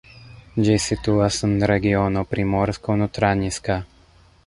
Ĝi situas en regiono Primorsko-Notranjska.